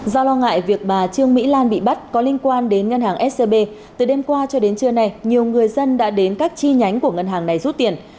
do lo ngại việc bà trương mỹ lan bị bắt có liên quan đến ngân hàng scb từ đêm qua cho đến trưa nay nhiều người dân đã đến các chi nhánh của ngân hàng này rút tiền